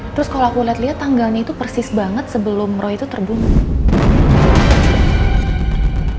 terus kalo aku liat liat tanggalnya itu persis banget sebelum roy itu terbunuh